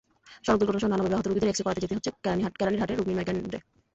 সড়ক দুর্ঘটনাসহ নানাভাবে আহত রোগীদের এক্স-রে করাতে যেতে হচ্ছে কেরানীরহাটের রোগনির্ণয় কেন্দ্রে।